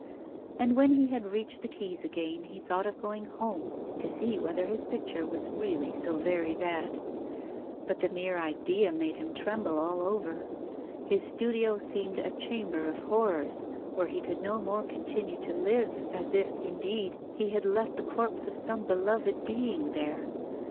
And when he had reached the quays again, he thought of going home to see whether his picture was really so very bad. But the mere idea made him tremble all over. His studio seemed a chamber of horrors, where he could no more continue to live, as if, indeed, he had left the corpse of some beloved being there.